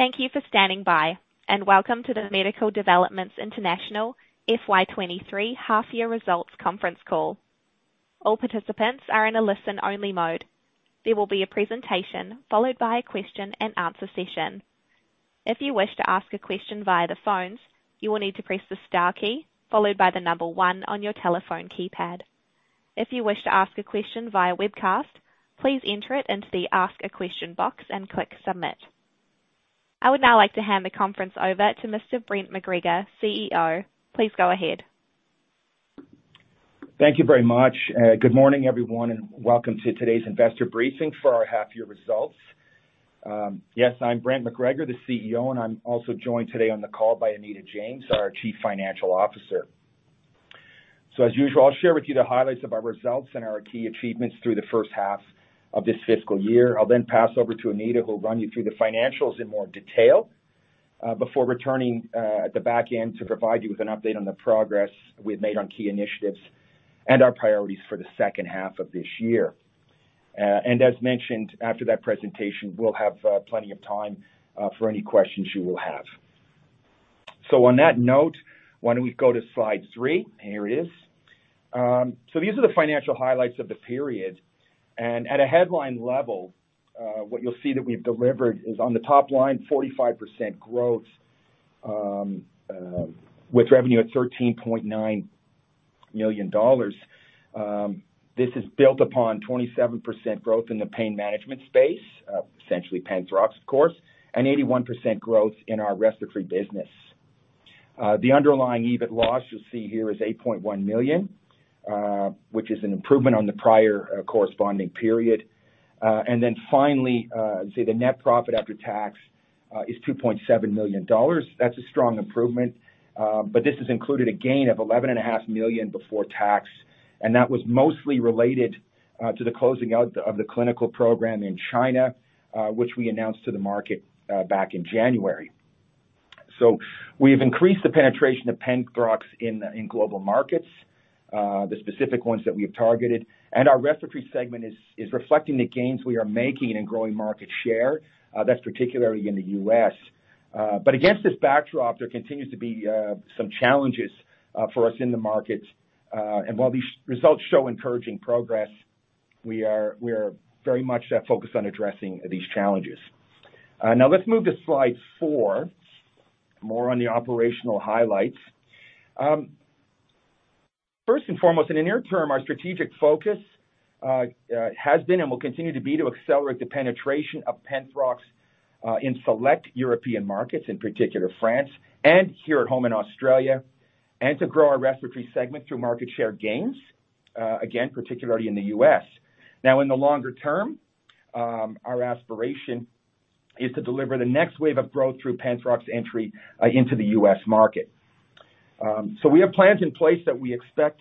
Thank you for standing by, and welcome to the Medical Developments International FY 2023 half year results conference call. All participants are in a listen-only mode. There will be a presentation followed by a question-and-answer session. If you wish to ask a question via the phones, you will need to press the star key followed by the number one on your telephone keypad. If you wish to ask a question via webcast, please enter it into the Ask a Question box and click Submit. I would now like to hand the conference over to Mr. Brent MacGregor, CEO. Please go ahead. Thank you very much. Good morning, everyone, and welcome to today's investor briefing for our half year results. Yes, I'm Brent MacGregor, the CEO, and I'm also joined today on the call by Anita James, our Chief Financial Officer. As usual, I'll share with you the highlights of our results and our key achievements through the first half of this fiscal year. I'll then pass over to Anita, who will run you through the financials in more detail, before returning at the back end to provide you with an update on the progress we've made on key initiatives and our priorities for the second half of this year. And as mentioned, after that presentation, we'll have plenty of time for any questions you will have. On that note, why don't we go to slide three? Here it is. These are the financial highlights of the period. At a headline level, what you'll see that we've delivered is on the top line, 45% growth, with revenue at 13.9 million dollars. This is built upon 27% growth in the pain management space, essentially Penthrox, of course, and 81% growth in our respiratory business. The underlying EBIT loss you'll see here is 8.1 million, which is an improvement on the prior corresponding period. And then finally, say the net profit after tax is 2.7 million dollars. That's a strong improvement. This has included a gain of 11.5 million before tax, and that was mostly related to the closing out of the clinical program in China, which we announced to the market back in January. We've increased the penetration of Penthrox in global markets, the specific ones that we have targeted, and our respiratory segment is reflecting the gains we are making in growing market share. That's particularly in the U.S. Against this backdrop, there continues to be some challenges for us in the market. While these results show encouraging progress, we are, we are very much focused on addressing these challenges. Let's move to slide four. More on the operational highlights. First and foremost, in the near term, our strategic focus has been and will continue to be to accelerate the penetration of Penthrox in select European markets, in particular France and here at home in Australia, and to grow our respiratory segment through market share gains, again, particularly in the U.S. In the longer term, our aspiration is to deliver the next wave of growth through Penthrox's entry into the U.S. market. We have plans in place that we expect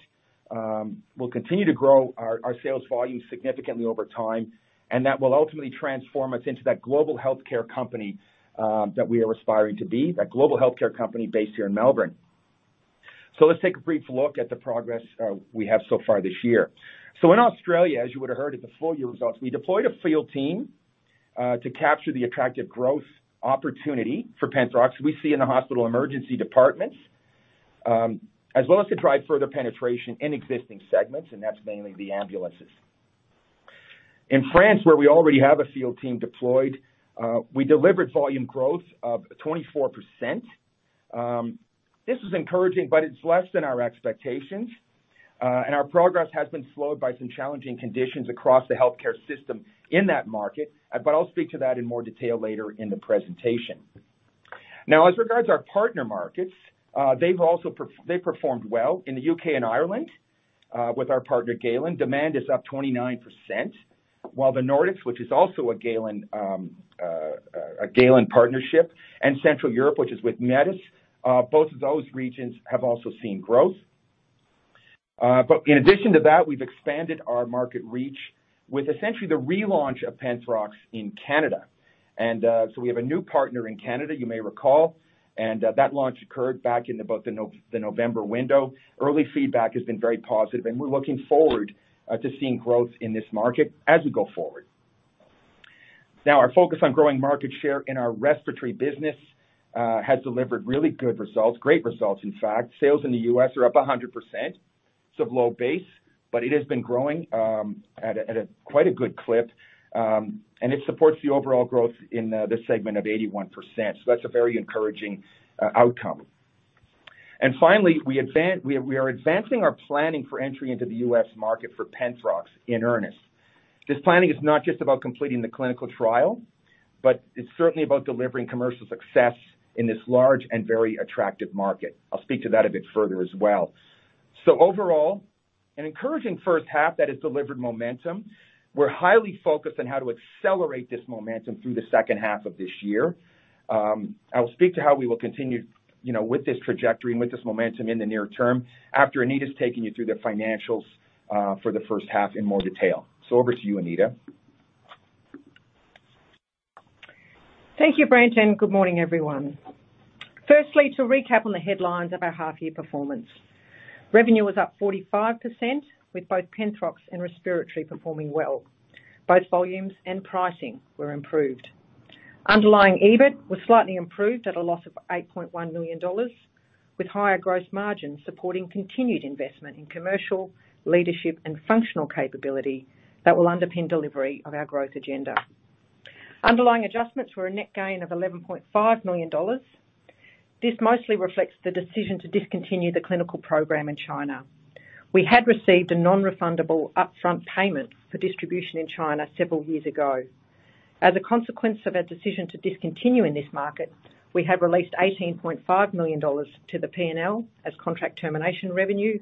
will continue to grow our, our sales volume significantly over time, and that will ultimately transform us into that global healthcare company that we are aspiring to be, that global healthcare company based here in Melbourne. Let's take a brief look at the progress we have so far this year. In Australia, as you would have heard at the full year results, we deployed a field team to capture the attractive growth opportunity for Penthrox we see in the hospital emergency departments, as well as to drive further penetration in existing segments, and that's mainly the ambulances. In France, where we already have a field team deployed, we delivered volume growth of 24%. This is encouraging, but it's less than our expectations, and our progress has been slowed by some challenging conditions across the healthcare system in that market, but I'll speak to that in more detail later in the presentation. As regards our partner markets, they've also they performed well in the U.K. and Ireland, with our partner, Galen. Demand is up 29%, while the Nordics, which is also a Galen partnership, and Central Europe, which is with Medis, both of those regions have also seen growth. In addition to that, we've expanded our market reach with essentially the relaunch of Penthrox in Canada. We have a new partner in Canada, you may recall, and that launch occurred back in about the November window. Early feedback has been very positive, and we're looking forward to seeing growth in this market as we go forward. Our focus on growing market share in our respiratory business has delivered really good results, great results, in fact. Sales in the U.S. are up 100%. It's a low base, but it has been growing, at a quite a good clip, and it supports the overall growth in this segment of 81%. That's a very encouraging outcome. Finally, we are advancing our planning for entry into the U.S. market for Penthrox in earnest. This planning is not just about completing the clinical trial, but it's certainly about delivering commercial success in this large and very attractive market. I'll speak to that a bit further as well. Overall, an encouraging first half that has delivered momentum. We're highly focused on how to accelerate this momentum through the second half of this year. I will speak to how we will continue, you know, with this trajectory and with this momentum in the near term after Anita's taken you through the financials for the first half in more detail. Over to you, Anita. Thank you, Brent, and good morning, everyone. Firstly, to recap on the headlines of our half year performance. Revenue was up 45%, with both Penthrox and Respiratory performing well. Both volumes and pricing were improved. Underlying EBIT was slightly improved at a loss of 8.1 million dollars, with higher gross margins supporting continued investment in commercial, leadership, and functional capability that will underpin delivery of our growth agenda. Underlying adjustments were a net gain of 11.5 million dollars. This mostly reflects the decision to discontinue the clinical program in China. We had received a non-refundable upfront payment for distribution in China several years ago. As a consequence of our decision to discontinue in this market, we have released 18.5 million dollars to the P&L as contract termination revenue,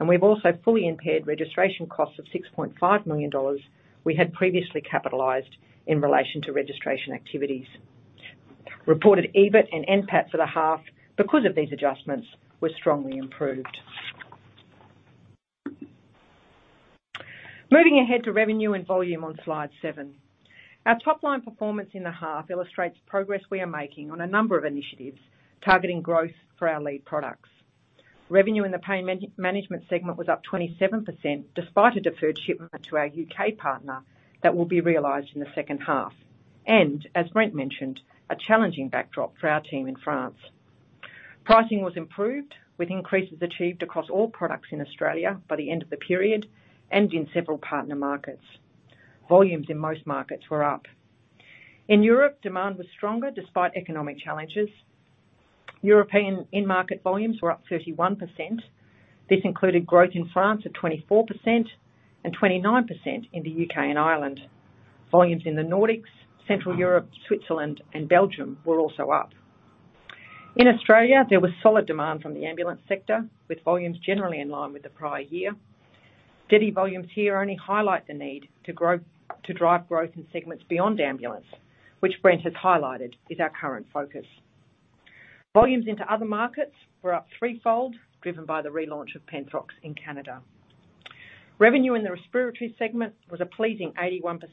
and we've also fully impaired registration costs of 6.5 million dollars we had previously capitalized in relation to registration activities. Reported EBIT and NPAT for the half, because of these adjustments, were strongly improved. Moving ahead to revenue and volume on slide seven. Our top line performance in the half illustrates progress we are making on a number of initiatives targeting growth for our lead products. Revenue in the Pain Management segment was up 27%, despite a deferred shipment to our UK partner that will be realized in the second half, and as Brent mentioned, a challenging backdrop for our team in France. Pricing was improved, with increases achieved across all products in Australia by the end of the period and in several partner markets. Volumes in most markets were up. In Europe, demand was stronger despite economic challenges. European in-market volumes were up 31%. This included growth in France at 24% and 29% in the U.K. and Ireland. Volumes in the Nordics, Central Europe, Switzerland, and Belgium were also up. In Australia, there was solid demand from the ambulance sector, with volumes generally in line with the prior year. Steady volumes here only highlight the need to grow, to drive growth in segments beyond ambulance, which Brent has highlighted is our current focus. Volumes into other markets were up threefold, driven by the relaunch of Penthrox in Canada. Revenue in the respiratory segment was a pleasing 81%,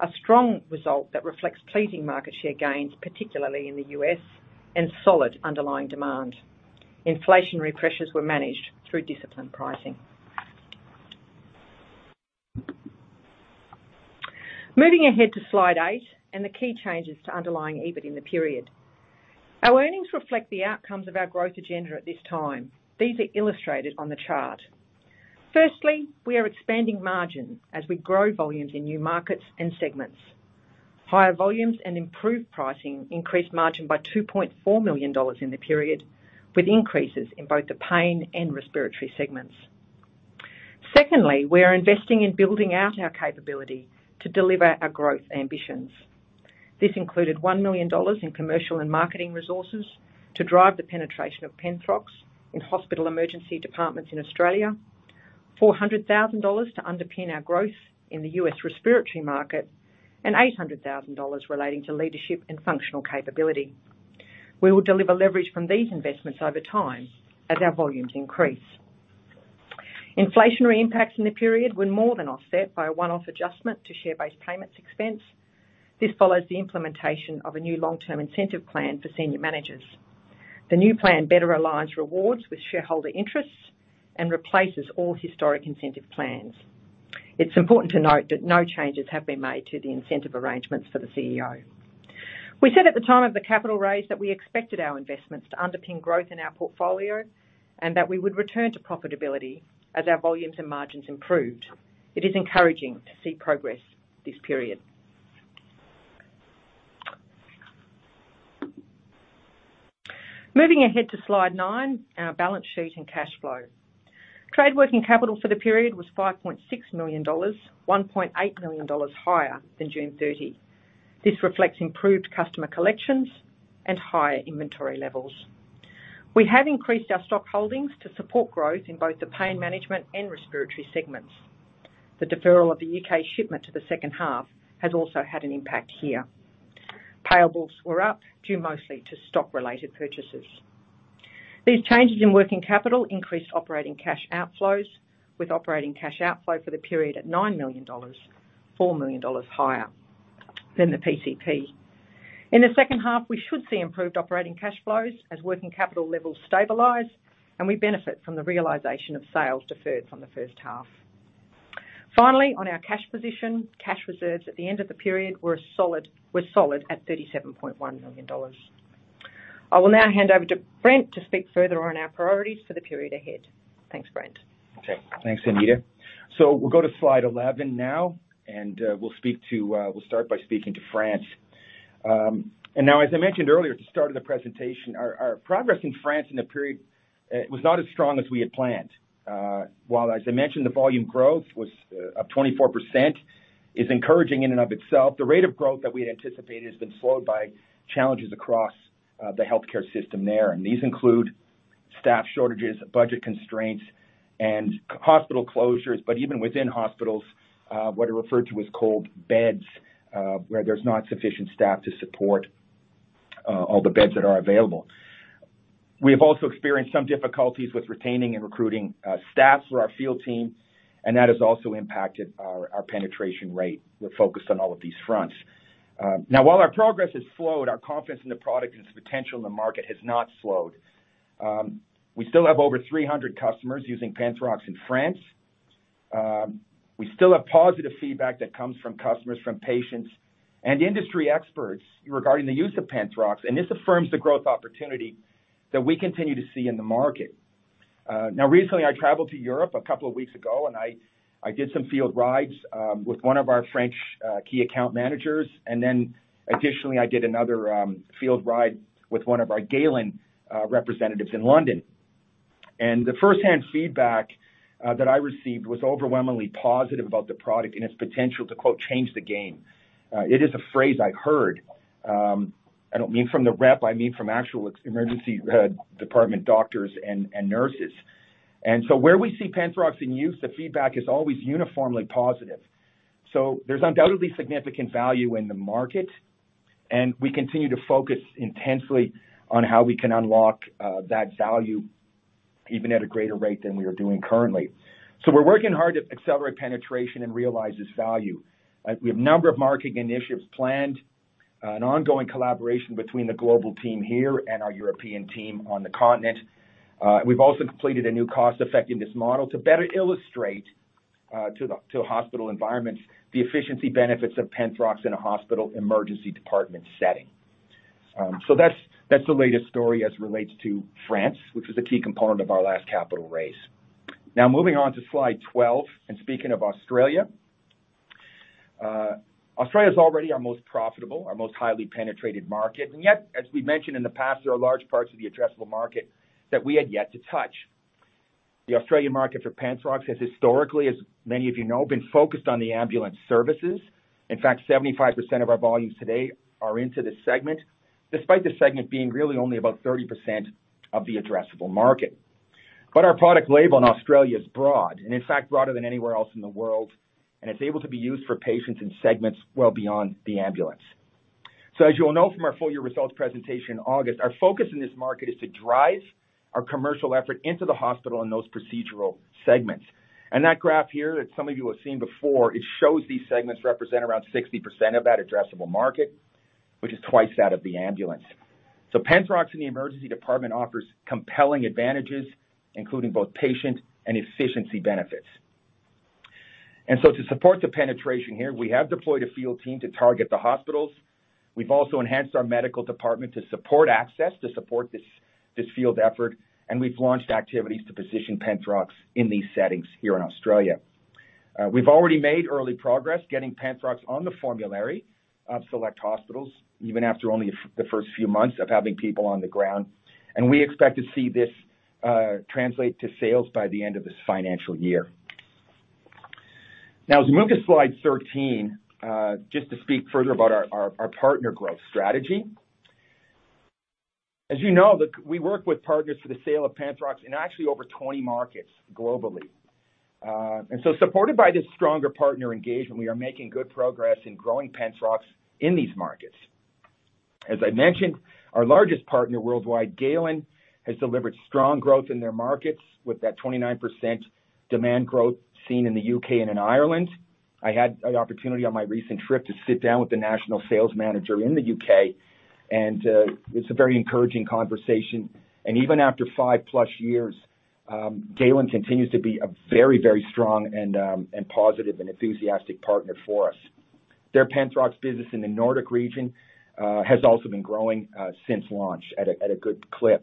a strong result that reflects pleasing market share gains, particularly in the U.S., and solid underlying demand. Inflationary pressures were managed through disciplined pricing. Moving ahead to slide eight and the key changes to underlying EBIT in the period. Our earnings reflect the outcomes of our growth agenda at this time. These are illustrated on the chart. Firstly, we are expanding margin as we grow volumes in new markets and segments. Higher volumes and improved pricing increased margin by 2.4 million dollars in the period, with increases in both the pain and respiratory segments. Secondly, we are investing in building out our capability to deliver our growth ambitions. This included 1 million dollars in commercial and marketing resources to drive the penetration of Penthrox in hospital emergency departments in Australia, 400,000 dollars to underpin our growth in the U.S. respiratory market, and 800,000 dollars relating to leadership and functional capability. We will deliver leverage from these investments over time as our volumes increase. Inflationary impacts in the period were more than offset by a one-off adjustment to share-based payments expense. This follows the implementation of a new long-term incentive plan for senior managers. The new plan better aligns rewards with shareholder interests and replaces all historic incentive plans. It's important to note that no changes have been made to the incentive arrangements for the CEO. We said at the time of the capital raise that we expected our investments to underpin growth in our portfolio and that we would return to profitability as our volumes and margins improved. It is encouraging to see progress this period. Moving ahead to slide nine, our balance sheet and cash flow. Trade working capital for the period was 5.6 million dollars, 1.8 million dollars higher than June 30. This reflects improved customer collections and higher inventory levels. We have increased our stock holdings to support growth in both the Pain Management and Respiratory segments. The deferral of the U.K. shipment to the second half has also had an impact here. Payables were up, due mostly to stock-related purchases. These changes in working capital increased operating cash outflows, with operating cash outflow for the period at 9 million dollars, 4 million dollars higher than the PCP. In the second half, we should see improved operating cash flows as working capital levels stabilize, and we benefit from the realization of sales deferred from the first half. Finally, on our cash position, cash reserves at the end of the period were solid at 37.1 million dollars. I will now hand over to Brent to speak further on our priorities for the period ahead. Thanks, Brent. Okay, thanks, Anita. We'll go to slide 11 now, and, we'll speak to, we'll start by speaking to France. Now, as I mentioned earlier at the start of the presentation, our, our progress in France in the period, was not as strong as we had planned. While, as I mentioned, the volume growth was, up 24% is encouraging in and of itself, the rate of growth that we had anticipated has been slowed by challenges across, the healthcare system there. These include staff shortages, budget constraints, and h-hospital closures, but even within hospitals, what are referred to as Cold Beds, where there's not sufficient staff to support, all the beds that are available. We have also experienced some difficulties with retaining and recruiting staff for our field team. That has also impacted our penetration rate. We're focused on all of these fronts. Now, while our progress has slowed, our confidence in the product and its potential in the market has not slowed. We still have over 300 customers using Penthrox in France. We still have positive feedback that comes from customers, from patients and industry experts regarding the use of Penthrox. This affirms the growth opportunity that we continue to see in the market. Now, recently, I traveled to Europe a couple of weeks ago. I did some field rides with one of our French key account managers. Additionally, I did another field ride with one of our Galen representatives in London. The firsthand feedback that I received was overwhelmingly positive about the product and its potential to, quote, "change the game." It is a phrase I heard, I don't mean from the rep, I mean from actual emergency department doctors and nurses. Where we see Penthrox in use, the feedback is always uniformly positive. There's undoubtedly significant value in the market, and we continue to focus intensely on how we can unlock that value even at a greater rate than we are doing currently. We're working hard to accelerate penetration and realize this value. We have a number of marketing initiatives planned, an ongoing collaboration between the global team here and our European team on the continent. We've also completed a new cost-effectiveness model to better illustrate to hospital environments, the efficiency benefits of Penthrox in a hospital emergency department setting. That's, that's the latest story as it relates to France, which is a key component of our last capital raise. Moving on to slide 12, speaking of Australia. Australia is already our most profitable, our most highly penetrated market, and yet, as we've mentioned in the past, there are large parts of the addressable market that we had yet to touch. The Australian market for Penthrox has historically, as many of you know, been focused on the ambulance services. In fact, 75% of our volumes today are into this segment, despite the segment being really only about 30% of the addressable market. Our product label in Australia is broad, and in fact, broader than anywhere else in the world, and it's able to be used for patients in segments well beyond the ambulance. As you all know from our full year results presentation in August, our focus in this market is to drive our commercial effort into the hospital and those procedural segments. That graph here, that some of you have seen before, it shows these segments represent around 60% of that addressable market, which is twice that of the ambulance. Penthrox in the emergency department offers compelling advantages, including both patient and efficiency benefits. To support the penetration here, we have deployed a field team to target the hospitals. We've also enhanced our medical department to support access, to support this, this field effort, and we've launched activities to position Penthrox in these settings here in Australia. We've already made early progress getting Penthrox on the formulary of select hospitals, even after only the first few months of having people on the ground, and we expect to see this translate to sales by the end of this financial year. Now, as we move to slide 13, just to speak further about our, our, our partner growth strategy. As you know, the We work with partners for the sale of Penthrox in actually over 20 markets globally. And so supported by this stronger partner engagement, we are making good progress in growing Penthrox in these markets. As I mentioned, our largest partner worldwide, Galen, has delivered strong growth in their markets with that 29% demand growth seen in the U.K. and in Ireland. I had an opportunity on my recent trip to sit down with the national sales manager in the U.K., and it's a very encouraging conversation. Even after 5+ years, Galen continues to be a very, very strong and positive and enthusiastic partner for us. Their Penthrox business in the Nordic region has also been growing since launch at a good clip.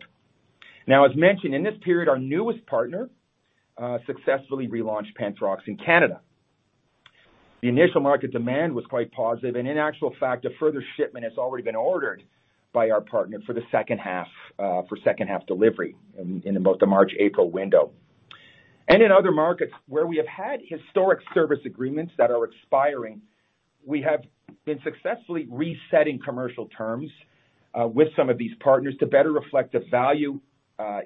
Now, as mentioned, in this period, our newest partner successfully relaunched Penthrox in Canada. The initial market demand was quite positive, and in actual fact, a further shipment has already been ordered by our partner for the second half, for second half delivery in about the March, April window. In other markets, where we have had historic service agreements that are expiring, we have been successfully resetting commercial terms with some of these partners to better reflect the value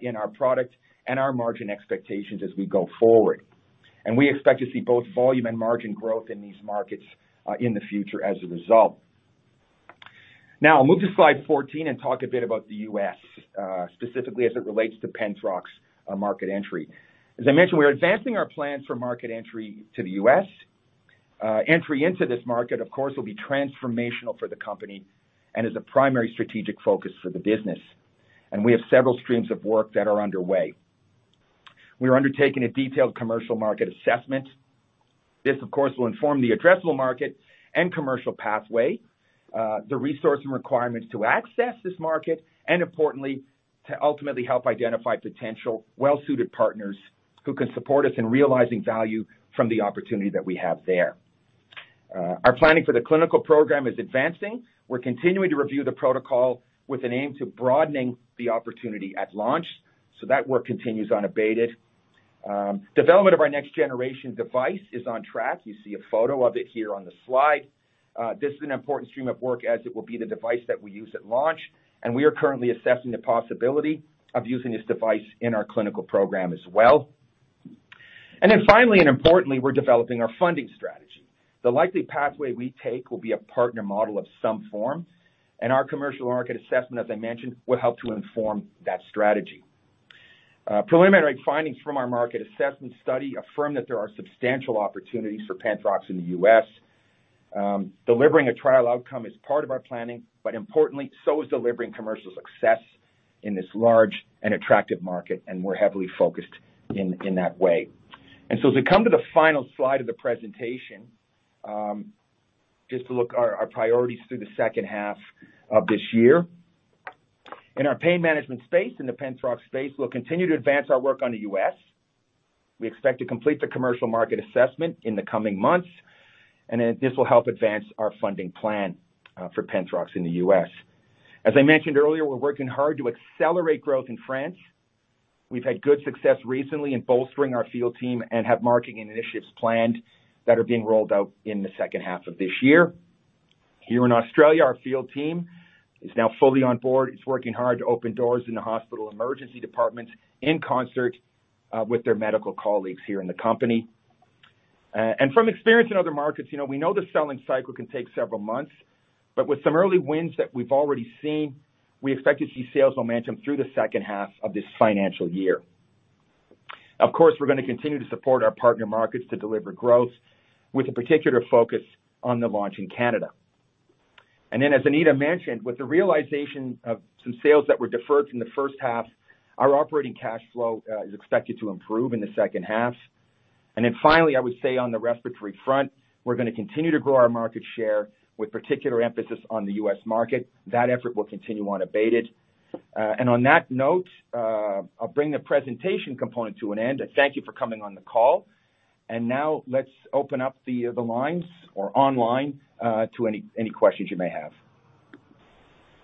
in our product and our margin expectations as we go forward. We expect to see both volume and margin growth in these markets in the future as a result. Now, I'll move to slide 14 and talk a bit about the U.S., specifically as it relates to Penthrox market entry. As I mentioned, we're advancing our plans for market entry to the U.S. Entry into this market, of course, will be transformational for the company and is a primary strategic focus for the business, and we have several streams of work that are underway. We are undertaking a detailed commercial market assessment. This, of course, will inform the addressable market and commercial pathway, the resource and requirements to access this market, and importantly, to ultimately help identify potential well-suited partners who can support us in realizing value from the opportunity that we have there. Our planning for the clinical program is advancing. We're continuing to review the protocol with an aim to broadening the opportunity at launch, so that work continues unabated. Development of our next generation device is on track. You see a photo of it here on the slide. This is an important stream of work as it will be the device that we use at launch, and we are currently assessing the possibility of using this device in our clinical program as well. Then finally, and importantly, we're developing our funding strategy. The likely pathway we take will be a partner model of some form, and our commercial market assessment, as I mentioned, will help to inform that strategy. Preliminary findings from our market assessment study affirm that there are substantial opportunities for Penthrox in the U.S. Delivering a trial outcome is part of our planning, but importantly, so is delivering commercial success in this large and attractive market, and we're heavily focused in, in that way. As we come to the final slide of the presentation, just to look our, our priorities through the second half of this year. In our pain management space, in the Penthrox space, we'll continue to advance our work on the U.S. We expect to complete the commercial market assessment in the coming months, and then this will help advance our funding plan for Penthrox in the U.S. As I mentioned earlier, we're working hard to accelerate growth in France. We've had good success recently in bolstering our field team and have marketing initiatives planned that are being rolled out in the second half of this year. Here in Australia, our field team is now fully on board. It's working hard to open doors in the hospital emergency departments in concert with their medical colleagues here in the company. And from experience in other markets, you know, we know the selling cycle can take several months, but with some early wins that we've already seen, we expect to see sales momentum through the second half of this financial year. Of course, we're gonna continue to support our partner markets to deliver growth, with a particular focus on the launch in Canada. As Anita mentioned, with the realization of some sales that were deferred from the first half, our operating cash flow is expected to improve in the second half. Finally, I would say on the respiratory front, we're gonna continue to grow our market share with particular emphasis on the U.S. market. That effort will continue unabated. On that note, I'll bring the presentation component to an end. I thank you for coming on the call, and now let's open up the lines or online to any questions you may have.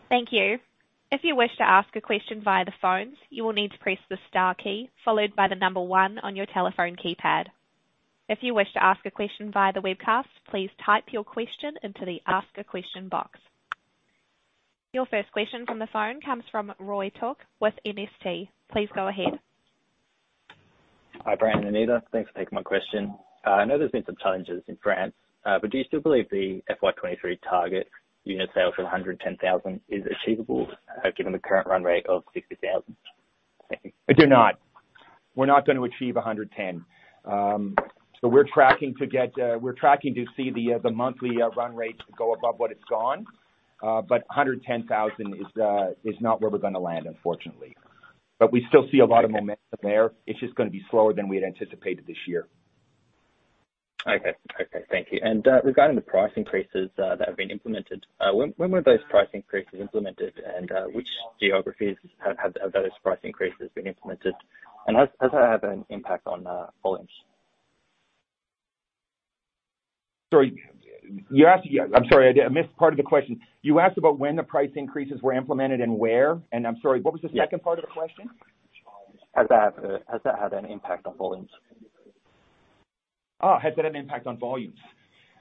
Thank you. If you wish to ask a question via the phones, you will need to press the star key, followed by the number 1 on your telephone keypad. If you wish to ask a question via the webcast, please type your question into the Ask a Question box. Your first question from the phone comes from Roy Taouk with MST. Please go ahead. Hi, Brent and Anita. Thanks for taking my question. I know there's been some challenges in France, do you still believe the FY 2023 target unit sales of 110,000 is achievable, given the current run rate of 60,000? I do not. We're not going to achieve 110. We're tracking to get, we're tracking to see the monthly run rate go above what it's gone. 110,000 is not where we're gonna land, unfortunately. We still see a lot of momentum there. It's just gonna be slower than we had anticipated this year. Okay. Okay, thank you. Regarding the price increases that have been implemented, when were those price increases implemented, and which geographies have those price increases been implemented? Has that had an impact on volumes? I'm sorry, I, I missed part of the question. You asked about when the price increases were implemented and where? I'm sorry, what was the second part of the question? Has that, has that had an impact on volumes? Ah, has that had an impact on volumes?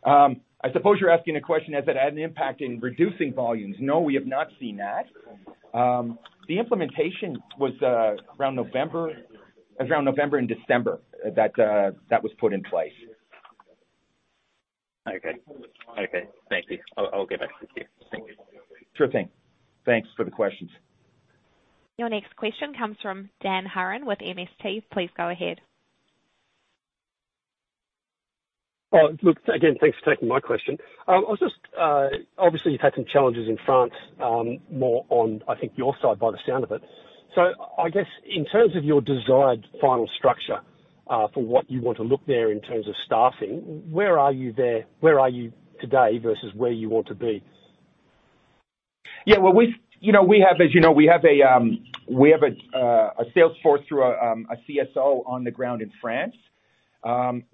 I suppose you're asking a question, has it had an impact in reducing volumes? No, we have not seen that. The implementation was around November, it was around November and December, that, that was put in place. Okay. Okay, thank you. I'll, I'll get back to you. Thank you. Sure thing. Thanks for the questions. Your next question comes from Dan Hurren with MST. Please go ahead. Look, again, thanks for taking my question. Obviously, you've had some challenges in France, more on, I think, your side, by the sound of it. I guess in terms of your desired final structure, for what you want to look there in terms of staffing, where are you there? Where are you today versus where you want to be? Yeah, well, we, you know, we have, as you know, we have a, we have a, a sales force through a CSO on the ground in France.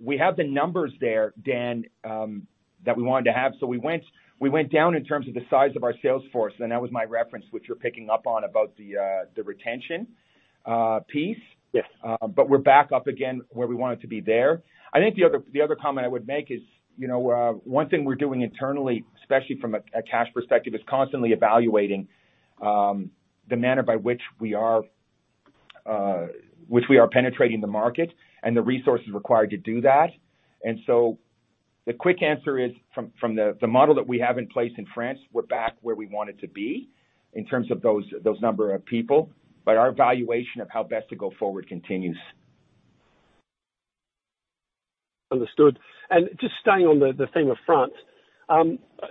We have the numbers there, Dan, that we wanted to have. We went, we went down in terms of the size of our sales force, and that was my reference, which you're picking up on, about the, the retention, piece. Yes. We're back up again where we wanted to be there. I think the other, the other comment I would make is, you know, one thing we're doing internally, especially from a cash perspective, is constantly evaluating the manner by which we are, which we are penetrating the market and the resources required to do that. The quick answer is, from the model that we have in place in France, we're back where we wanted to be in terms of those, those number of people, but our evaluation of how best to go forward continues. Understood. Just staying on the, the theme of France,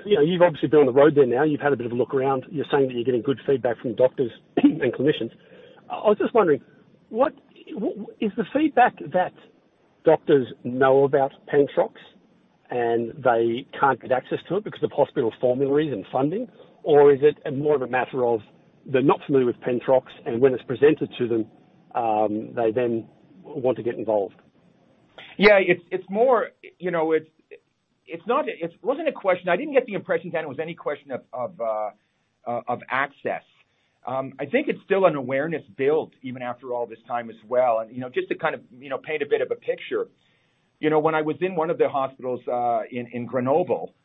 you know, you've obviously been on the road there now. You've had a bit of a look around. You're saying that you're getting good feedback from doctors and clinicians. I was just wondering, what is the feedback that doctors know about Penthrox and they can't get access to it because of hospital formularies and funding? Is it more of a matter of they're not familiar with Penthrox, and when it's presented to them, they then want to get involved? Yeah, it's, it's more, you know, it's, it's not a, it wasn't a question, I didn't get the impression, Dan, it was any question of, of access. I think it's still an awareness build, even after all this time as well. You know, just to kind of, you know, paint a bit of a picture-... You know, when I was in one of the hospitals, in, in Grenoble,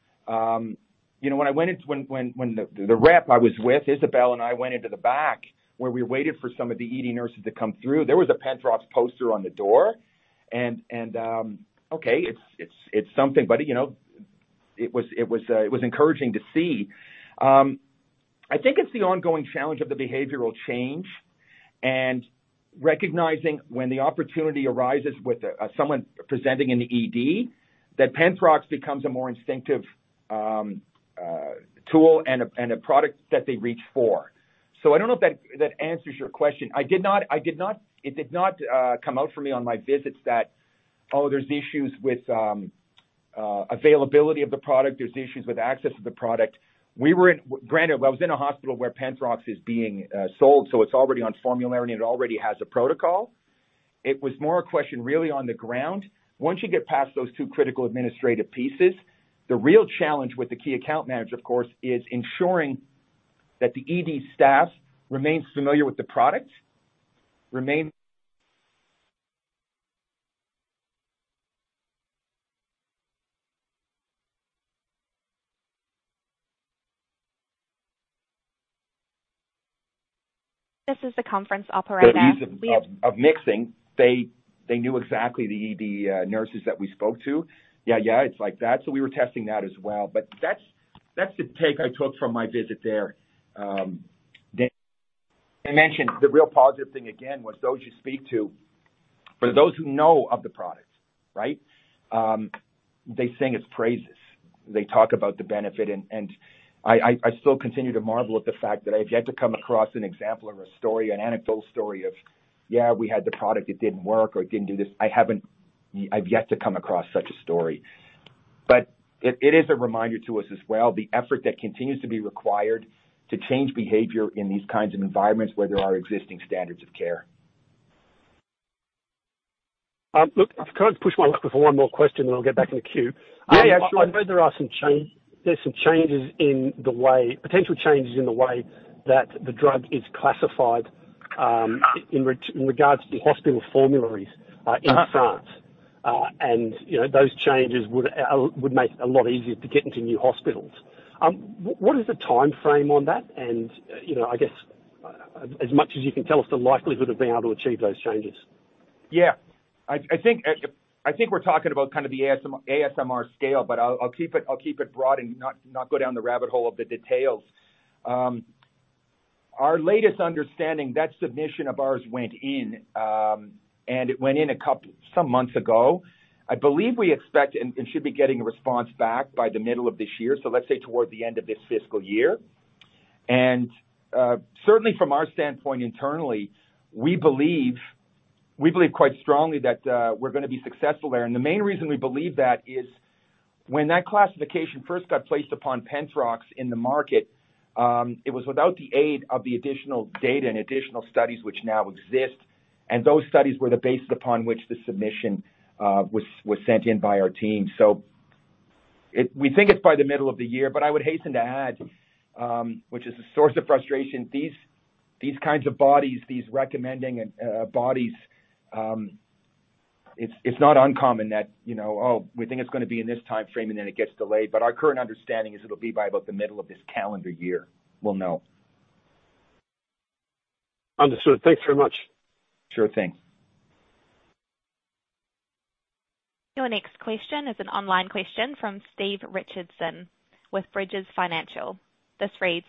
you know, when I went into when, when, when the, the rep I was with, Isabelle, and I went into the back where we waited for some of the ED nurses to come through, there was a Penthrox poster on the door. Okay, it's, it's, it's something, but, you know, it was, it was, it was encouraging to see. I think it's the ongoing challenge of the behavioral change and recognizing when the opportunity arises with someone presenting in the ED, that Penthrox becomes a more instinctive tool and a product that they reach for. I don't know if that, that answers your question. I did not, I did not, it did not come out for me on my visits that, oh, there's issues with availability of the product, there's issues with access to the product. We were in, granted, I was in a hospital where Penthrox is being sold, so it's already on formulary, and it already has a protocol. It was more a question really on the ground. Once you get past those two critical administrative pieces, the real challenge with the key account manager, of course, is ensuring that the ED staff remains familiar with the product. This is the conference operator. Of mixing. They, they knew exactly the ED nurses that we spoke to. Yeah, yeah, it's like that. We were testing that as well. That's, that's the take I took from my visit there. I mentioned the real positive thing again, was those you speak to, for those who know of the product, right? They sing its praises. They talk about the benefit, and, and I, I, I still continue to marvel at the fact that I've yet to come across an example or a story, an anecdotal story of, "Yeah, we had the product, it didn't work, or it didn't do this." I've yet to come across such a story. It, it is a reminder to us as well, the effort that continues to be required to change behavior in these kinds of environments where there are existing standards of care. Look, I've kind of pushed my luck with one more question, and then I'll get back in the queue. Yeah, yeah, sure. I read there are some there's some changes in the way, potential changes in the way that the drug is classified, in regards to hospital formularies in France. You know, those changes would make it a lot easier to get into new hospitals. What is the timeframe on that? You know, I guess, as much as you can tell us, the likelihood of being able to achieve those changes. Yeah. I, I think, I think we're talking about kind of the ASMR, ASMR scale, but I'll, I'll keep it, I'll keep it broad and not, not go down the rabbit hole of the details. Our latest understanding, that submission of ours went in, and it went in a couple, some months ago. I believe we expect and, and should be getting a response back by the middle of this year, so let's say toward the end of this fiscal year. Certainly from our standpoint internally, we believe, we believe quite strongly that, we're gonna be successful there. The main reason we believe that is when that classification first got placed upon Penthrox in the market, it was without the aid of the additional data and additional studies which now exist, and those studies were the basis upon which the submission was, was sent in by our team. We think it's by the middle of the year, but I would hasten to add, which is a source of frustration, these, these kinds of bodies, these recommending and bodies, it's, it's not uncommon that, you know, oh, we think it's gonna be in this timeframe, and then it gets delayed. Our current understanding is it'll be by about the middle of this calendar year, we'll know. Understood. Thanks very much. Sure thing. Your next question is an online question from Steve Richardson with Bridges Financial. This reads: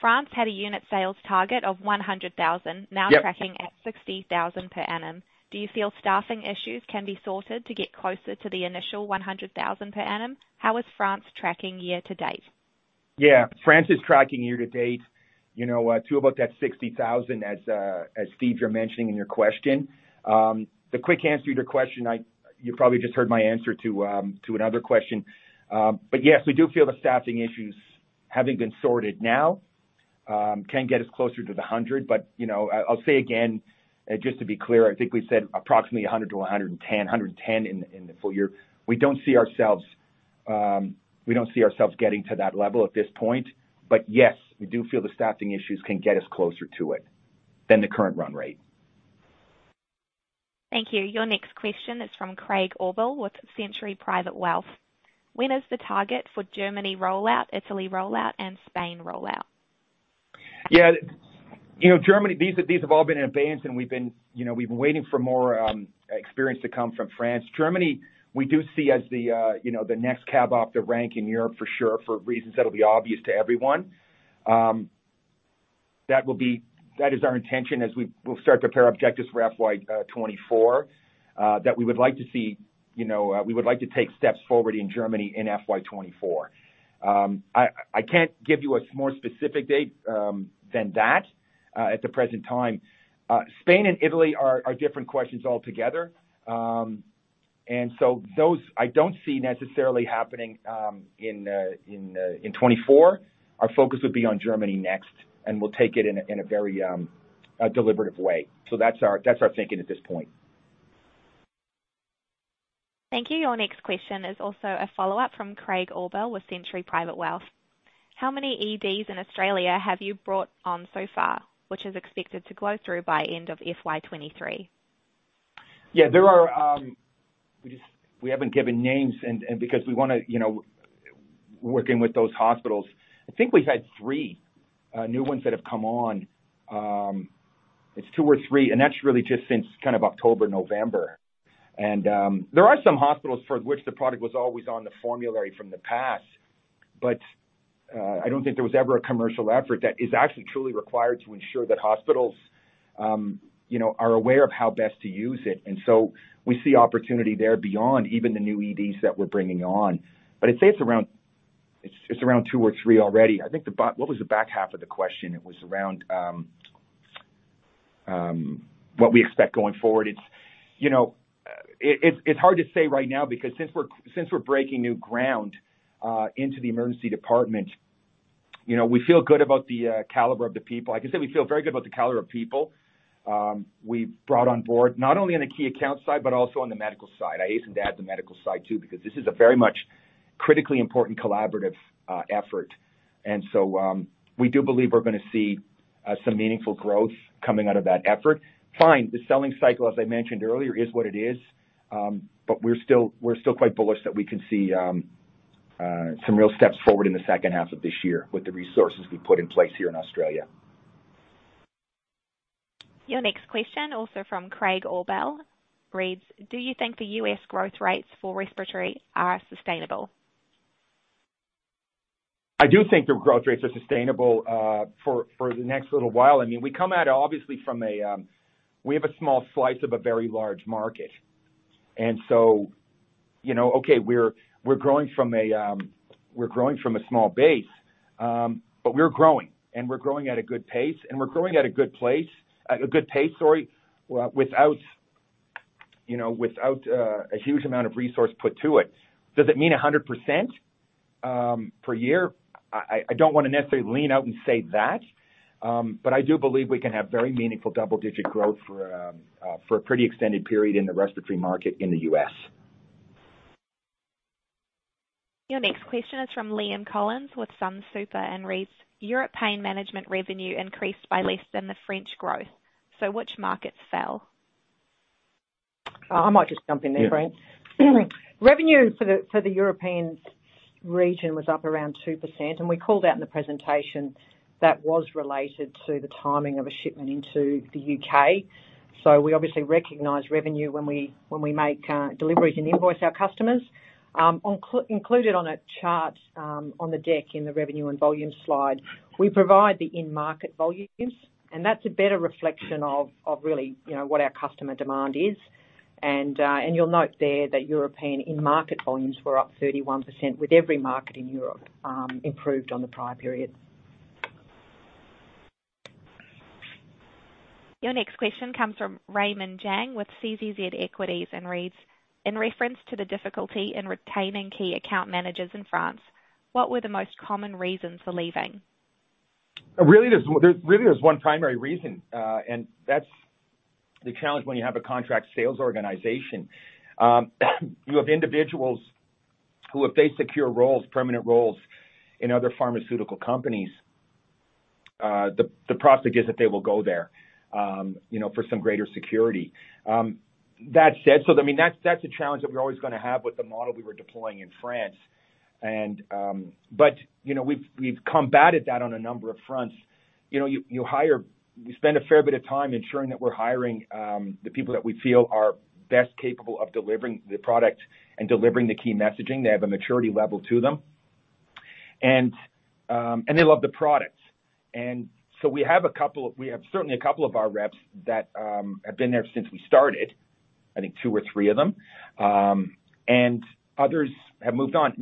France had a unit sales target of 100,000- Yep. Now tracking at 60,000 per annum. Do you feel staffing issues can be sorted to get closer to the initial 100,000 per annum? How is France tracking year to date? Yeah. France is tracking year to date, you know, to about that 60,000 as Steve, you're mentioning in your question. The quick answer to your question, you probably just heard my answer to another question. Yes, we do feel the staffing issues having been sorted now, can get us closer to the 100. You know, I, I'll say again, just to be clear, I think we said approximately 100-110, 110 in the full year. We don't see ourselves, we don't see ourselves getting to that level at this point. Yes, we do feel the staffing issues can get us closer to it than the current run rate. Thank you. Your next question is from Craig Orbell with Century Private Wealth. When is the target for Germany rollout, Italy rollout, and Spain rollout? Yeah. You know, Germany, these, these have all been in advance, and we've been, you know, we've been waiting for more experience to come from France. Germany, we do see as the, you know, the next cab off the rank in Europe for sure, for reasons that'll be obvious to everyone. That will be... That is our intention as we'll start to prepare objectives for FY24. That we would like to see, you know, we would like to take steps forward in Germany in FY24. I, I can't give you a more specific date than that at the present time. Spain and Italy are, are different questions altogether. Those I don't see necessarily happening in 24. Our focus would be on Germany next. We'll take it in a, in a very, a deliberative way. That's our, that's our thinking at this point. Thank you. Your next question is also a follow-up from Craig Orbell with Century Private Wealth. How many EDs in Australia have you brought on so far, which is expected to go through by end of FY 2023? Yeah, there are, we just, we haven't given names and because we wanna, you know, working with those hospitals. I think we've had three new ones that have come on. It's two or three, and that's really just since kind of October, November. There are some hospitals for which the Penthrox was always on the formulary from the past, but I don't think there was ever a commercial effort that is actually truly required to ensure that hospitals, you know, are aware of how best to use it. We see opportunity there beyond even the new EDs that we're bringing on. I'd say it's around, it's, it's around two or three already. I think what was the back half of the question? It was around what we expect going forward. It's, you know, it, it, it's hard to say right now because since we're, since we're breaking new ground, into the emergency department, you know, we feel good about the caliber of the people. Like I said, we feel very good about the caliber of people, we've brought on board, not only on the key account side, but also on the medical side. I hasten to add the medical side, too, because this is a very much critically important collaborative effort. We do believe we're gonna see some meaningful growth coming out of that effort. Fine, the selling cycle, as I mentioned earlier, is what it is, but we're still, we're still quite bullish that we can see, some real steps forward in the second half of this year with the resources we've put in place here in Australia. Your next question, also from Craig Orbell, reads: Do you think the U.S. growth rates for respiratory are sustainable? I do think the growth rates are sustainable for, for the next little while. I mean, we come at it obviously from a, we have a small slice of a very large market. You know, okay, we're, we're growing from a, we're growing from a small base, but we're growing, and we're growing at a good pace, and we're growing at a good place, a good pace, sorry, without, you know, without a huge amount of resource put to it. Does it mean 100% per year? I, I, I don't wanna necessarily lean out and say that, but I do believe we can have very meaningful double-digit growth for, for a pretty extended period in the respiratory market in the U.S. Your next question is from Liam Collins, with Sunsuper, and reads: Europe pain management revenue increased by less than the French growth, which markets fell? I might just jump in there, Craig. Revenue for the, for the European region was up around 2%. We called out in the presentation that was related to the timing of a shipment into the U.K. We obviously recognize revenue when we, when we make deliveries and invoice our customers. Included on a chart on the deck in the revenue and volume slide, we provide the in-market volumes, and that's a better reflection of, of really, you know, what our customer demand is. You'll note there that European in-market volumes were up 31%, with every market in Europe improved on the prior period. Your next question comes from Raymond Jang with CCZ Equities, and reads: In reference to the difficulty in retaining key account managers in France, what were the most common reasons for leaving? Really, there's, there really is one primary reason, that's the challenge when you have a contract sales organization. You have individuals who, if they secure roles, permanent roles in other pharmaceutical companies, the, the prospect is that they will go there, you know, for some greater security. That said, I mean, that's, that's a challenge that we're always gonna have with the model we were deploying in France. You know, we've, we've combated that on a number of fronts. You know, you spend a fair bit of time ensuring that we're hiring the people that we feel are best capable of delivering the product and delivering the key messaging. They have a maturity level to them, they love the product. We have a couple of... We have certainly a couple of our reps that have been there since we started, I think two or three of them, and others have moved on.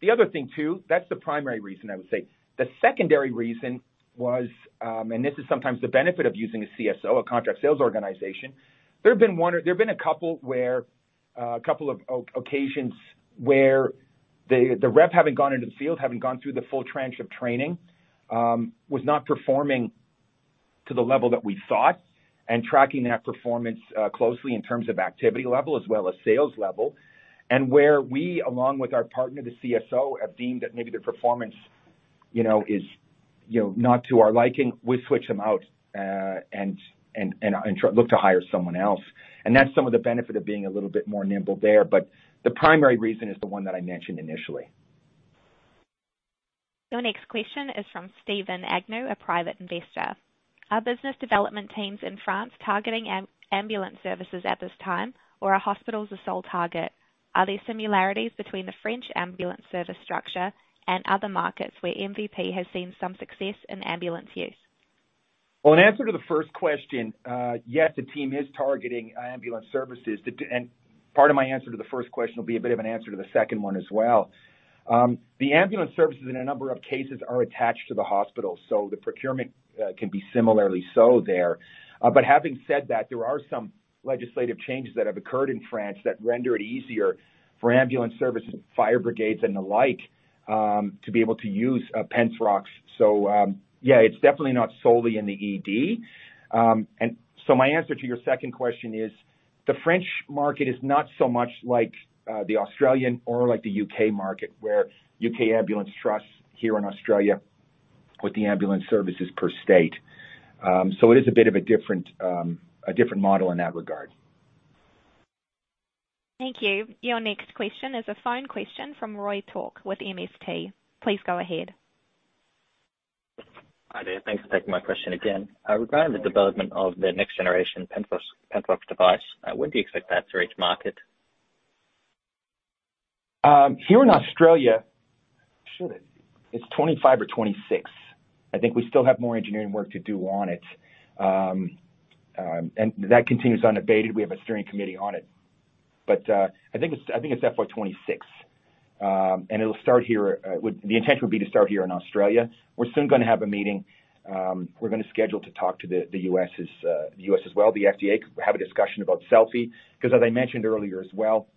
The other thing, too, that's the primary reason I would say. The secondary reason was, and this is sometimes the benefit of using a CSO, a contract sales organization. There have been one, or there have been a couple where a couple of occasions where the rep having gone into the field, having gone through the full tranche of training, was not performing to the level that we thought, and tracking that performance closely in terms of activity level as well as sales level. Where we, along with our partner, the CSO, have deemed that maybe their performance, you know, is, you know, not to our liking, we switch them out, and try look to hire someone else. That's some of the benefit of being a little bit more nimble there. The primary reason is the one that I mentioned initially. Your next question is from Steven Agnew, a private investor. Are business development teams in France targeting ambulance services at this time, or are hospitals the sole target? Are there similarities between the French ambulance service structure and other markets where MVP has seen some success in ambulance use? Well, in answer to the first question, yes, the team is targeting ambulance services. Part of my answer to the first question will be a bit of an answer to the second one as well. The ambulance services in a number of cases are attached to the hospital, so the procurement can be similarly so there. Having said that, there are some legislative changes that have occurred in France that render it easier for ambulance services, fire brigades, and the like, to be able to use Penthrox. Yeah, it's definitely not solely in the ED. My answer to your second question is: The French market is not so much like the Australian or like the U.K. market, where U.K. ambulance trusts here in Australia with the ambulance services per state. It is a bit of a different, a different model in that regard. Thank you. Your next question is a phone question from Roy Taouk with MST. Please go ahead. Hi there. Thanks for taking my question again. Regarding the development of the next generation Penthrox, Penthrox device, when do you expect that to reach market? Here in Australia, should it? It's 2025 or 2026. I think we still have more engineering work to do on it. That continues unabated. We have a steering committee on it, but I think it's, I think it's FY 2026. It'll start here. The intent would be to start here in Australia. We're soon gonna have a meeting. We're gonna schedule to talk to the U.S. as well, the FDA, have a discussion about Selfie. As I mentioned earlier as well,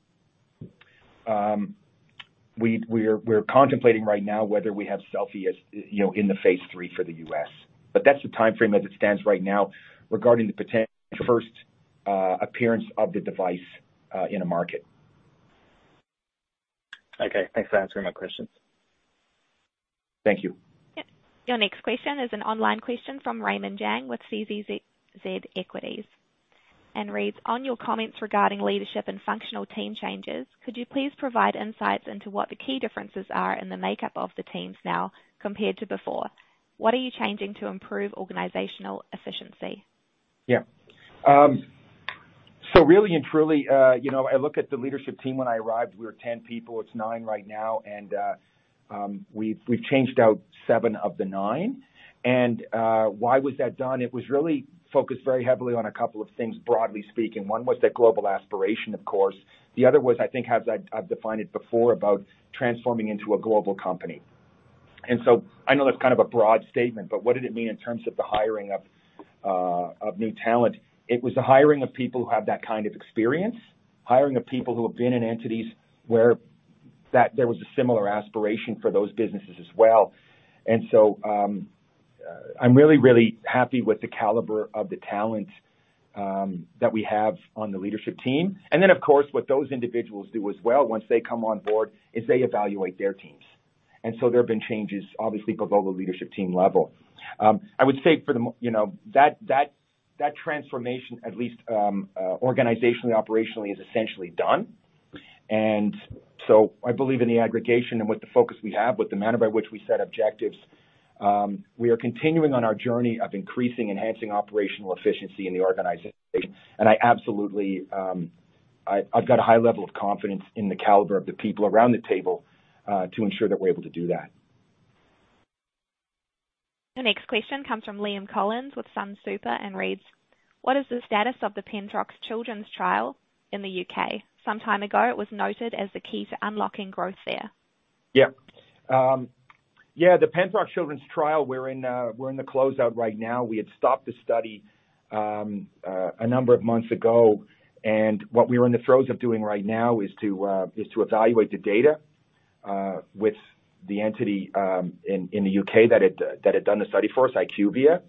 we, we're, we're contemplating right now whether we have Selfie as, you know, in the phase III for the U.S. That's the timeframe as it stands right now, regarding the potential first appearance of the device in a market. Okay. Thanks for answering my questions. Thank you. Yep. Your next question is an online question from Raymond Jang with CCZ Equities, and reads: On your comments regarding leadership and functional team changes, could you please provide insights into what the key differences are in the makeup of the teams now compared to before? What are you changing to improve organizational efficiency? Yeah. Really and truly, you know, I look at the leadership team. When I arrived, we were 10 people. It's nine right now, and we've, we've changed out seven of the nine. Why was that done? It was really focused very heavily on a couple of things, broadly speaking. One was the global aspiration, of course. The other was, I think, as I've, I've defined it before, about transforming into a global company. I know that's kind of a broad statement, but what did it mean in terms of the hiring of new talent? It was the hiring of people who have that kind of experience, hiring of people who have been in entities where that there was a similar aspiration for those businesses as well. I'm really, really happy with the caliber of the talent that we have on the leadership team. Of course, what those individuals do as well, once they come on board, is they evaluate their teams. There have been changes, obviously, above the leadership team level. I would say for the you know, that, that, that transformation, at least, organizationally, operationally, is essentially done. I believe in the aggregation and with the focus we have, with the manner by which we set objectives, we are continuing on our journey of increasing, enhancing operational efficiency in the organization. I absolutely, I've got a high level of confidence in the caliber of the people around the table, to ensure that we're able to do that. The next question comes from Liam Collins with Sunsuper, reads: What is the status of the Penthrox children's trial in the U.K.? Some time ago, it was noted as the key to unlocking growth there. Yeah. Yeah, the Penthrox children's trial, we're in the closeout right now. We had stopped the study a number of months ago, and what we are in the throes of doing right now is to evaluate the data with the entity in the U.K. that had done the study for us, IQVIA.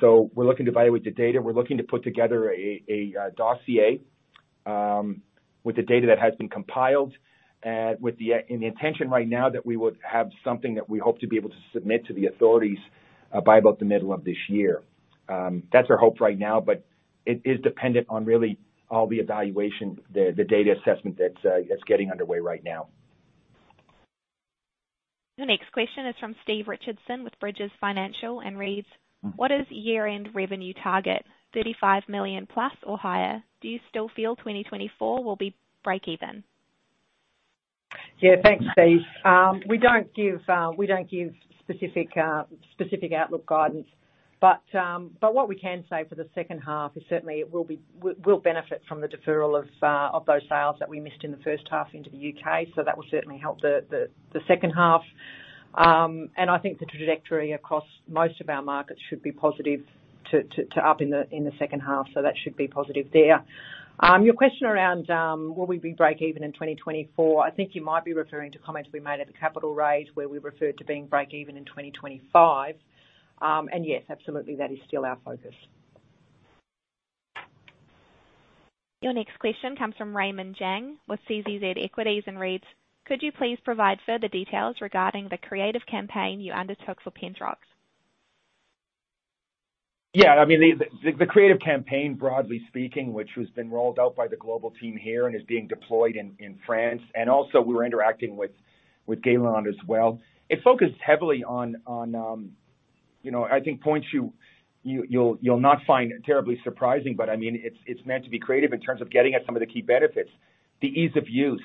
So we're looking to evaluate the data. We're looking to put together a dossier with the data that has been compiled, and the intention right now that we would have something that we hope to be able to submit to the authorities by about the middle of this year. That's our hope right now, but it is dependent on really all the evaluation, the data assessment that's getting underway right now. The next question is from Steve Richardson with Bridges Financial and reads: What is year-end revenue target, 35 million plus or higher? Do you still feel 2024 will be break even? Yeah, thanks, Steve. We don't give, we don't give specific, specific outlook guidance, but what we can say for the second half is certainly we, we'll benefit from the deferral of those sales that we missed in the first half into the U.K. That will certainly help the, the, the second half. I think the trajectory across most of our markets should be positive to, to, to up in the, in the second half, that should be positive there. Your question around, will we be break even in 2024? I think you might be referring to comments we made at the capital raise, where we referred to being break even in 2025. Yes, absolutely, that is still our focus. Your next question comes from Raymond Jang with CCZ Equities and reads: Could you please provide further details regarding the creative campaign you undertook for Penthrox? Yeah, I mean, the, the, the creative campaign, broadly speaking, which has been rolled out by the global team here and is being deployed in, in France, and also we're interacting with, with Galen as well. It focused heavily on, on, you know, I think points you, you, you'll, you'll not find terribly surprising, but I mean, it's, it's meant to be creative in terms of getting at some of the key benefits, the ease of use,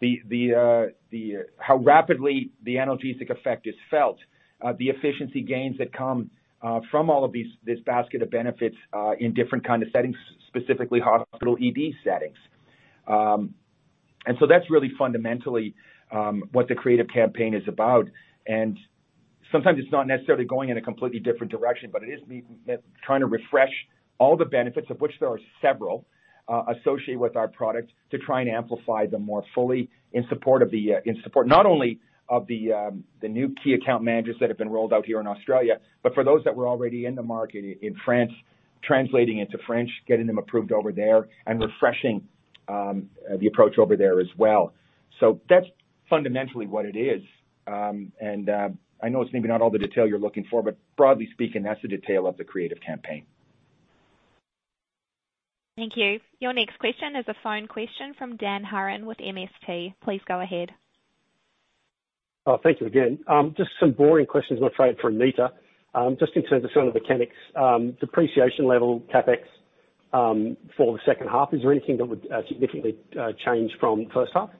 the, the, the, how rapidly the analgesic effect is felt, the efficiency gains that come from all of these, this basket of benefits, in different kind of settings, specifically hospital ED settings. That's really fundamentally what the creative campaign is about. Sometimes it's not necessarily going in a completely different direction, but it is trying to refresh all the benefits, of which there are several, associated with our products, to try and amplify them more fully in support of the in support not only of the new key account managers that have been rolled out here in Australia, but for those that were already in the market in France, translating into French, getting them approved over there and refreshing the approach over there as well. That's fundamentally what it is. I know it's maybe not all the detail you're looking for, but broadly speaking, that's the detail of the creative campaign. Thank you. Your next question is a phone question from Dan Hurren with MST. Please go ahead. Oh, thank you again. Just some boring questions, I'm afraid, for Anita. Just in terms of some of the mechanics, depreciation level, CapEx, for the second half, is there anything that would significantly change from the first half?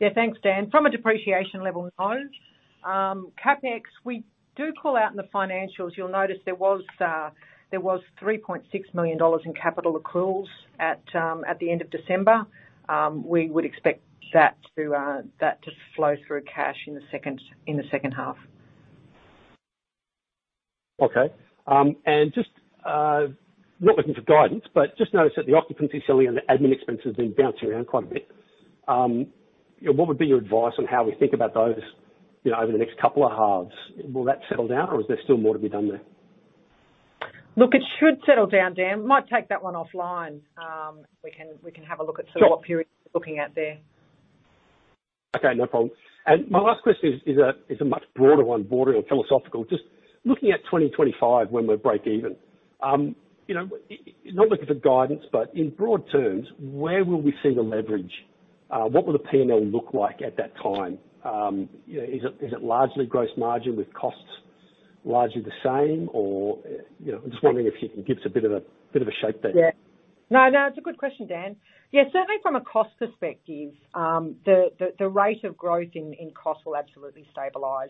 Yeah, thanks, Dan. From a depreciation level, no. CapEx, we do call out in the financials. You'll notice there was 3.6 million dollars in capital accruals at the end of December. We would expect that to that to flow through cash in the second, in the second half. Okay. Just, not looking for guidance, but just notice that the occupancy selling and the admin expenses have been bouncing around quite a bit. What would be your advice on how we think about those, you know, over the next couple of halves? Will that settle down, or is there still more to be done there? Look, it should settle down, Dan. We might take that one offline. We can, we can have a look at. Sure. what period we're looking at there. Okay, no problem. My last question is a much broader one, broader or philosophical. Just looking at 2025 when we're break even, you know, not looking for guidance, but in broad terms, where will we see the leverage? What will the P&L look like at that time? You know, is it largely gross margin with costs largely the same, or, you know, I'm just wondering if you can give us a bit of a shape there. Yeah. No, no, it's a good question, Dan. Yeah, certainly from a cost perspective, the, the, the rate of growth in, in cost will absolutely stabilize.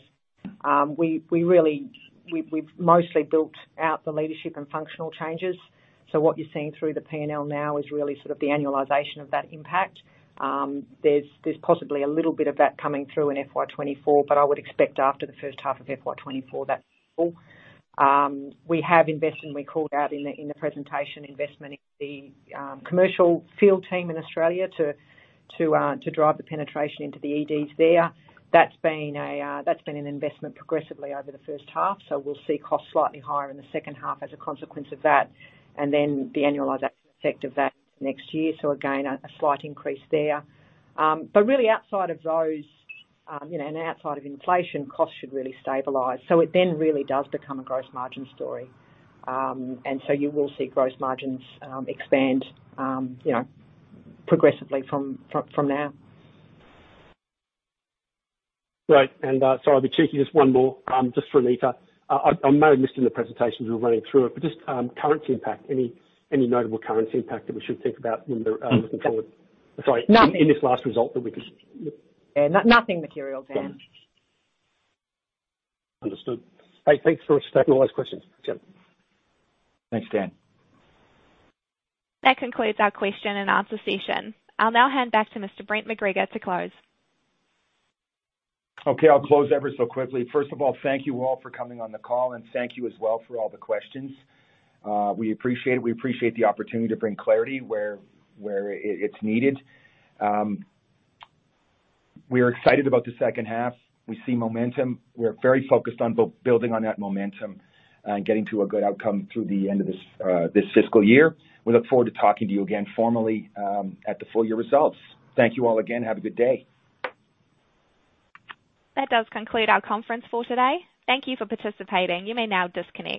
We've, we've mostly built out the leadership and functional changes, so what you're seeing through the P&L now is really sort of the annualization of that impact. There's, there's possibly a little bit of that coming through in FY 2024, but I would expect after the first half of FY 2024, that's full. We have invested, and we called out in the, in the presentation, investment in the commercial field team in Australia to, to drive the penetration into the EDs there. That's been a, that's been an investment progressively over the first half, so we'll see costs slightly higher in the second half as a consequence of that, and then the annualized effect of that next year. Again, a, a slight increase there. But really outside of those, you know, and outside of inflation, costs should really stabilize. It then really does become a gross margin story. You will see gross margins, expand, you know, progressively from, from, from now. Great. Sorry, I'll be cheeky, just one more, just for Anita. I, I may have missed it in the presentation as we were running through it, but just currency impact. Any, any notable currency impact that we should think about when we're looking forward. Yeah. Sorry, in, in this last result that we could... Yeah. nothing material, Dan. Understood. Hey, thanks so much for taking all those questions. Cheers. Thanks, Dan. That concludes our question and answer session. I'll now hand back to Mr. Brent MacGregor to close. Okay, I'll close ever so quickly. First of all, thank you all for coming on the call. Thank you as well for all the questions. We appreciate it. We appreciate the opportunity to bring clarity where, where it's needed. We are excited about the second half. We see momentum. We're very focused on building on that momentum and getting to a good outcome through the end of this fiscal year. We look forward to talking to you again formally, at the full year results. Thank you all again. Have a good day. That does conclude our conference for today. Thank you for participating. You may now disconnect.